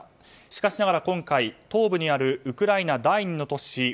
しかしながら今回東部にあるウクライナ第２の都市